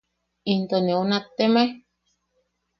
¿Into neu nattemae?